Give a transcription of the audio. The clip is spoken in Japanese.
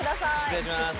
失礼します。